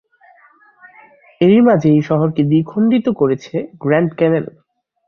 এরই মাঝে এই শহরকে দ্বিখণ্ডিত করেছে গ্র্যান্ড ক্যানেল।